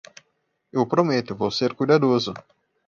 Eu prometo, vou ser cuidadoso!